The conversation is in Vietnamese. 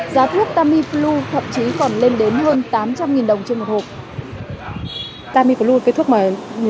giá thuốc tamiflu thậm chí còn lên đến hơn tám trăm linh đồng trên một hộp